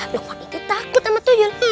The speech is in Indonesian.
lokman itu takut sama tuyul